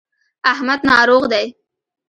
احمد ناروغ دی.